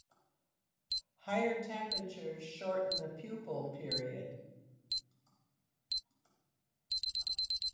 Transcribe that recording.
Higher temperatures shorten the pupal period.